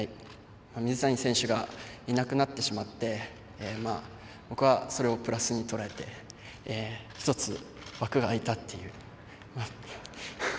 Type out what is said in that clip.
水谷選手がいなくなってしまって僕はそれをプラスにとらえて１つ枠が空いたっていう。